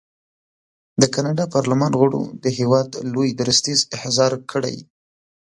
د کاناډا پارلمان غړو د هېواد لوی درستیز احضار کړی.